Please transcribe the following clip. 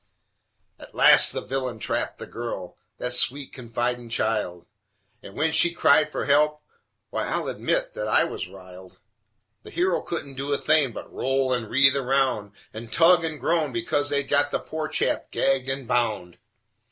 At last the villain trapped the girl, that sweet confidin' child, And when she cried for help, why I'll admit that I was riled; The hero couldn't do a thing, but roll and writhe around And tug and groan because they'd got the poor chap gagged and bound.